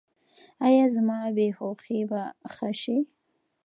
ایا زما بې هوښي به ښه شي؟